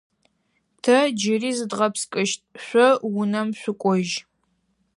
Тэ джыри зыдгъэпскӏыщт, шъо унэм шъукӏожь.